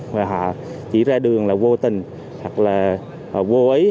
mà họ chỉ ra đường là vô tình hoặc là vô ý